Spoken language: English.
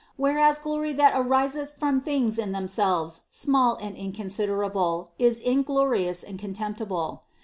Whereas glory that ariseth from things in themselves small and inconsiderable is inglorious and contemptible.